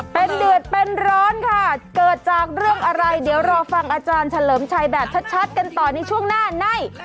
เป็นเดือดเป็นร้อนค่ะเกิดจากเรื่องอะไรเดี๋ยวรอฟังอาจารย์เฉลิมชัยแบบชัดกันต่อในช่วงหน้าใน